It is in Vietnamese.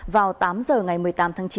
vào tám giờ ngày một mươi tám tháng chín